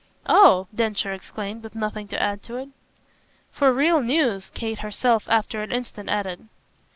"Oh!" Densher exclaimed, with nothing to add to it. "For real news," Kate herself after an instant added.